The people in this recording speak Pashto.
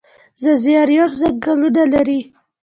ځاځي اریوب ځنګلونه لري؟